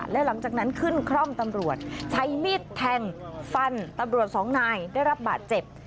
และหลังจากนั้นขึ้นคร่อมตำรวจใช้มีดแทงฟันตำรวจสองนายได้รับบาดเจ็บ